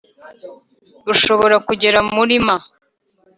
bushobora kugera kuri m ,